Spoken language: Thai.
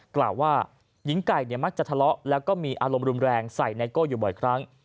กล่าวว่าหญิงไก่มักจะทะเลาะแล้วก็มีอารมณ์รุนแรงใส่ไนโก้อยู่บ่อยครั้ง